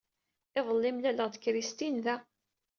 Iḍelli, mlaleɣ-d Christine da.